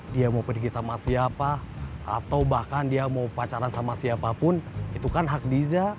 dia mau pergi sama siapa atau bahkan dia mau pacaran sama siapapun itu kan hak diza